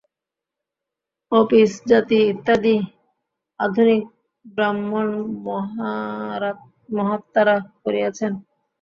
Office জাতি ইত্যাদি আধুনিক ব্রাহ্মণ-মহাত্মারা করিয়াছেন।